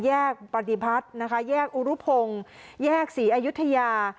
แยกปฏิพัฒน์นะคะแยกอุรุพงศ์แยกศรีอายุทยา